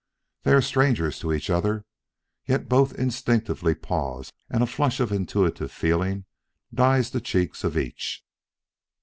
They are strangers to each other, yet both instinctively pause and a flush of intuitive feeling dyes the cheek of each.